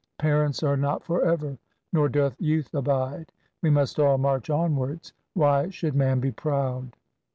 Parents are not for ever, nor doth youth abide. We must all march onwards : why should man be proud